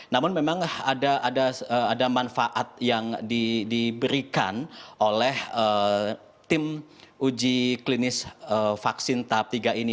namun memang ada manfaat yang diberikan oleh tim uji klinis vaksin tahap tiga ini